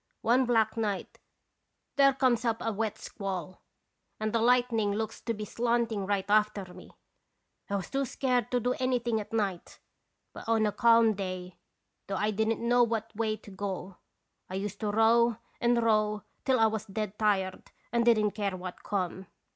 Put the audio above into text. One black night there comes up a wet squall, and the lightning looks to be slanting right after me. I was too scared to do anything at night, but on a calm day, though I didn't know what way to go, I used to row and row till I was dead tired and didn't care what come.